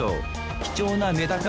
貴重なメダカ